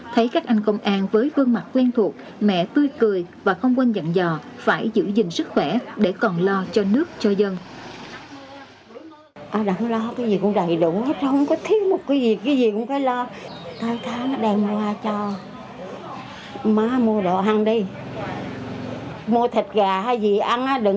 thấy các anh công an với vương mặt quen thuộc mẹ tươi cười và không quên dặn dò phải giữ gìn sức khỏe để còn lo cho nước cho dân